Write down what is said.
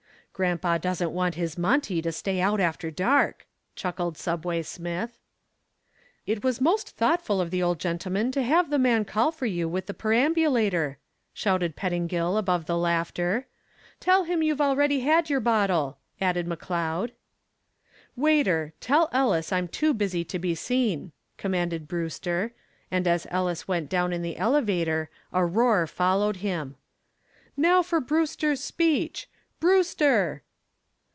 "Grandpa doesn't want his Monty to stay out after dark," chuckled Subway Smith. "It was most thoughtful of the old gentleman to have the man call for you with the perambulator," shouted Pettingill above the laughter. "Tell him you've already had your bottle," added McCloud. "Waiter, tell Ellis I'm too busy to be seen," commanded Brewster, and as Ellis went down in the elevator a roar followed him. "Now, for Brewster's speech! Brewster!"